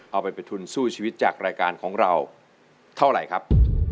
เอาไปเป็นทุนสู้ชีวิตจากรายการของเราเท่าไหร่ครับ